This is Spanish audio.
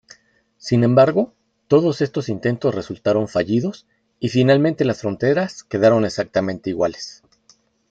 Sin embargo, todos estos intentos resultaron fallidos y finalmente las fronteras quedaron exactamente iguales.